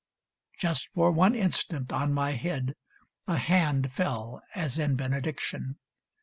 Just for one instant on my head a hand Fell as in benediction.